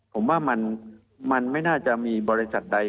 ผมว่ามันไม่น่าจะมีบริษัทใด